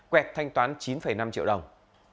quẹt thanh toán chín năm triệu đồng